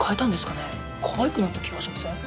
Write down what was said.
かわいくなった気がしません？